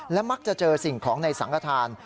และมักจะเจอสิ่งของในสังขทาน